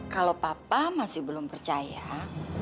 kalau papa masih belum percaya